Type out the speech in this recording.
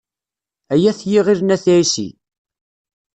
Ay At yiɣil n At Ɛissi.